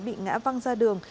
bị ngã văng ra đường